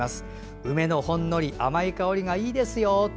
梅のほんのり甘い香りがいいですよ。